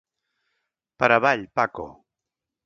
Per avall Paco!